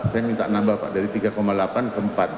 saya minta nambah pak dari tiga delapan ke empat